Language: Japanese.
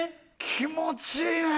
気持ちいいね！